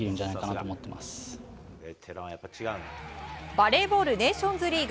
バレーボールネーションズリーグ。